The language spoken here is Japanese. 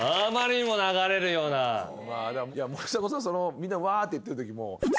みんな「わー！」って言ってるときも。